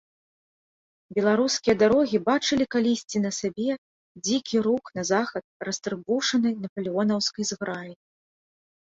Беларускія дарогі бачылі калісьці на сабе дзікі рух на захад растрыбушанай напалеонаўскай зграі.